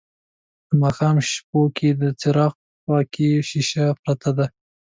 د ماښام شپو کې د څراغ خواکې شیشه پرته ده